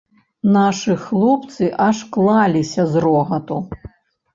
Нашы хлопцы аж клаліся з рогату.